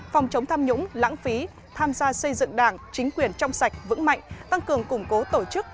phòng chống tham nhũng lãng phí tham gia xây dựng đảng chính quyền trong sạch vững mạnh tăng cường củng cố tổ chức